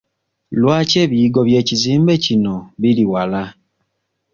Lwaki ebiyigo by'ekizimbe kino biri wala?